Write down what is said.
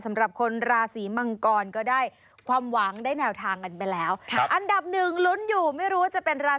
กำลังจะโบกมืออำลาตาล่วยหล่ะไปแล้ว